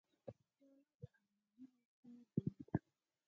پیاله د ارمانونو کور دی.